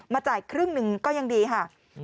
จ่ายครึ่งหนึ่งก็ยังดีค่ะ